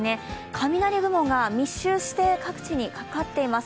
雷雲が密集して各地にかかっています。